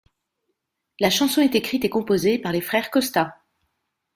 La chanson est écrite et composée par les frères Costa.